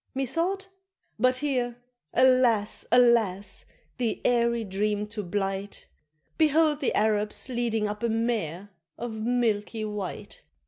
Methought but here, alas! alas! the airy dream to blight, Behold the Arabs leading up a mare of milky white!